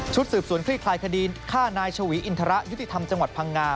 สืบสวนคลี่คลายคดีฆ่านายชวีอินทรยุติธรรมจังหวัดพังงา